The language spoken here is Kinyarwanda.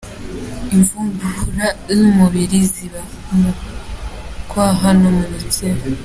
Imvubura z’umubiri ziba mu kwaha no mu gitsina.